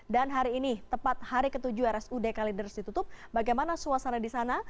dan hari ini tepat hari ke tujuh rsud kalidres ditutup bagaimana suasana di sana